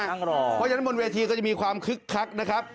เพราะฉะนั้นบนเวทีก็จะมีความคึกคักนะครับ